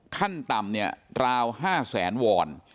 ขั้นต่ำเนี่ยราว๕แสนวอน